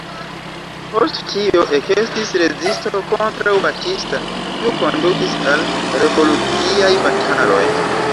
Post tio ekestis rezisto kontraŭ Batista, kiu kondukis al revoluciaj bataloj.